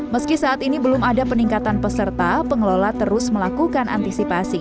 meski saat ini belum ada peningkatan peserta pengelola terus melakukan antisipasi